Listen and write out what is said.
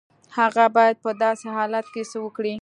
هغه بايد په داسې حالت کې څه وکړي؟